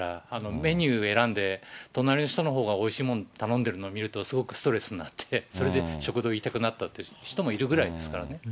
メニュー選んで、隣の人のほうがおいしいもの頼んでるのを見ると、すごくストレスになって、それで食堂行きたくなくなったという人もいるぐらいですからね。